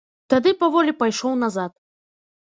Тады паволі пайшоў назад.